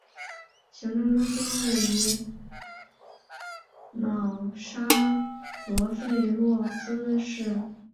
行政中心位于瑙沙罗费洛兹市。